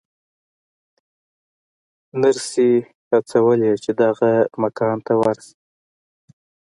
نرسې هڅولې چې دغه مکان ته ورشي.